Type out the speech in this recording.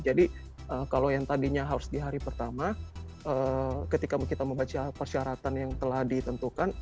jadi kalau yang tadinya harus di hari pertama ketika kita membaca persyaratan yang telah ditentukan